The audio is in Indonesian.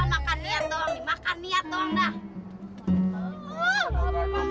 makan niat doang dah